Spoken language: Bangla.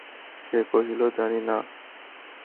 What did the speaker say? সে কহিল, জানি না।